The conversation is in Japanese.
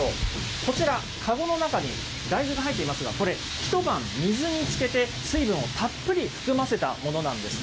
こちら、籠の中に大豆が入っていますが、これ、一晩水につけて水分をたっぷり含ませたものなんですね。